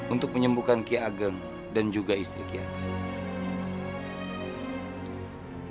untuk menyembuhkan ki ageng dan juga istri ki ageng